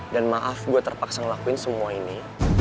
dan maaf gue terpaksa ngelakuin semua ini